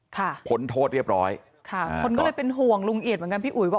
พ้นโทษเรียบร้อยค่ะคนก็เลยเป็นห่วงลุงเอียดเหมือนกันพี่อุ๋ยว่า